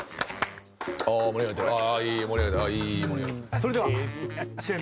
それでは。